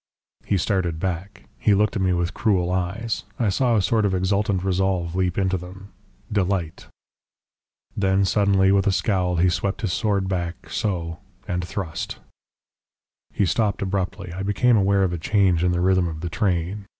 "He started back. He looked at me with cruel eyes. I saw a sort of exultant resolve leap into them delight. Then, suddenly, with a scowl, he swept his sword back SO and thrust." He stopped abruptly. I became aware of a change in the rhythm of the train.